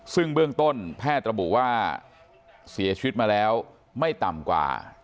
ซึ่งเบื้องต้นแพทย์ระบุว่าเสียชีวิตมาแล้วไม่ต่ำกว่า